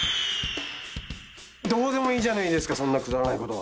どうでもいいじゃないですかそんなくだらないこと。